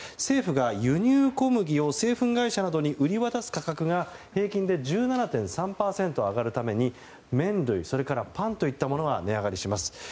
政府が輸入小麦を製粉会社などに売り渡す価格が平均で１７．３％上がるために麺類、パンといったものが値上がりします。